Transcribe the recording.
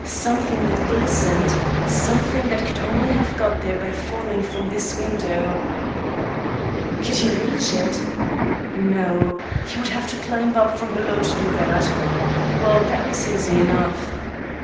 Something that glistened, something that could only have got there by falling from this window. Could he reach it? No; he would have to climb up from below to do that. Well, that was easy enough.